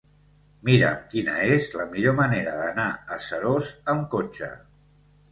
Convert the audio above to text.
Mira'm quina és la millor manera d'anar a Seròs amb cotxe.